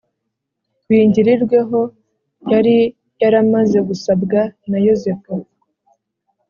bingirirweho yari yaramaze gusabwa naYozefu.